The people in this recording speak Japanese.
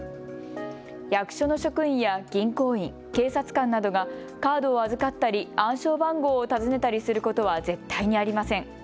役所の職員や銀行員、警察官などがカードを預かったり暗証番号を尋ねたりすることは絶対にありません。